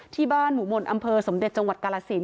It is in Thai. หมู่บ้านหมู่มนต์อำเภอสมเด็จจังหวัดกาลสิน